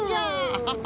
アハハ。